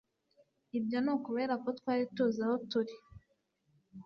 Ibyo ni ukubera ko twari tuzi aho turi